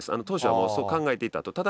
当初はもうそう考えていたと。